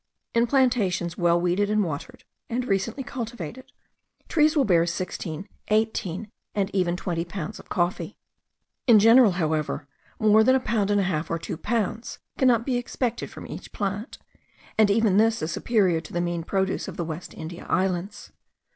In plantations well weeded and watered, and recently cultivated, trees will bear sixteen, eighteen, and even twenty pounds of coffee. In general, however, more than a pound and a half or two pounds cannot be expected from each plant; and even this is superior to the mean produce of the West India Islands.